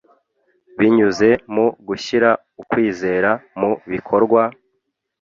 binyuze mu gushyira ukwizera mu bikorwa,